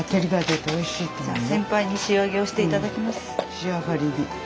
仕上がりに。